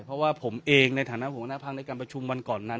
เพราะว่าผมเองในฐังหน้าของคุณของคุณเพื่อทำบังคับในกรรมค่อนก่อนนั้น